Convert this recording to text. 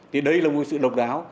thì đây là một sự độc đáo